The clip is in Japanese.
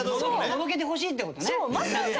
のろけてほしいってことね。